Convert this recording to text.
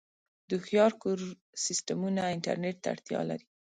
د هوښیار کور سیسټمونه انټرنیټ ته اړتیا لري.